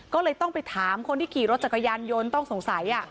ก็เลยต้องไปถามคนที่ขี่รถจักรยานยนต์ต้องสงสัย